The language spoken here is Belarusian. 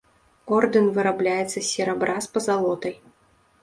Ордэн вырабляецца з серабра з пазалотай.